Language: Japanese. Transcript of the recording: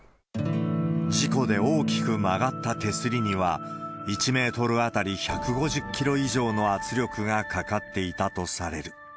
事故で大きく曲がった手すりには、１メートル当たり１５０キロ以上の圧力がかかっていたとされる。